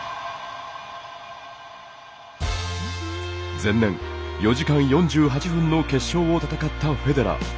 前年、４時間４８分の決勝を戦ったフェデラー。